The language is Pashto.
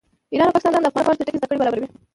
ایران او پاکستان د افغانانو لپاره چټکې زده کړې برابروي